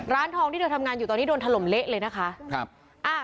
ร้านทองที่เธอทำงานอยู่ตอนนี้โดนถล่มเละเลยนะคะ